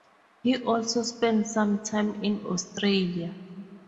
He also spent some time in Australia.